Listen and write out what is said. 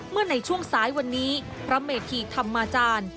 เมื่อในช่วงซ้ายวันนี้พระเมธีธรรมาจารย์